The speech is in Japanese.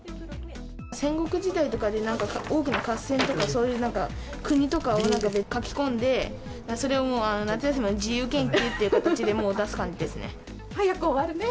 戦国時代とかで、なんか多くの合戦とか、そういうなんか、国とかを書き込んで、それを夏休みの自由研究っていう形で出す感じですね。